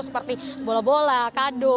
seperti bola bola kado